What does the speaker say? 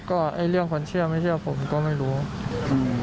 ก็เรื่องคนเชื่อไม่เชื่อผมก็ไม่รู้